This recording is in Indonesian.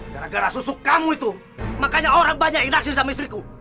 gara gara susuk kamu itu makanya orang banyak yang naksir sama istriku